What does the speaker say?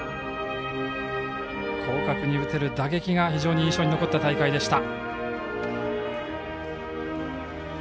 広角に打てる打撃が非常に印象に残った大会でした。